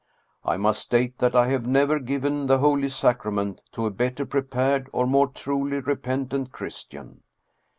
I must state that I have never given the holy sacrament to a better prepared or more truly repentant Christian.